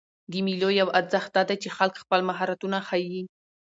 د مېلو یو ارزښت دا دئ، چې خلک خپل مهارتونه ښيي.